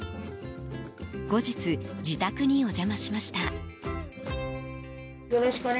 後日、自宅にお邪魔しました。